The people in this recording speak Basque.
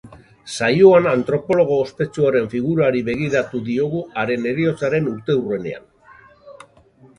Saioan antropologo ospetsuaren figurari begiratu diogu haren heriotzaren urteurrenean.